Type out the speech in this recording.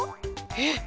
えっ！？